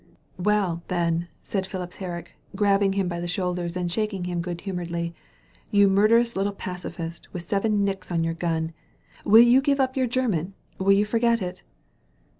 '' ''Well, then," said Fhipps Herrick, grabbing him by the shoulders ^ and shaking him good humoredly, ''you murderous little pacifist with seven nicks on your gun, will you give up your Ger man? Will you forget it?"